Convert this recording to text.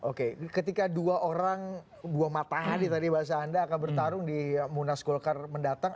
oke ketika dua orang dua matahari tadi bahasa anda akan bertarung di munas golkar mendatang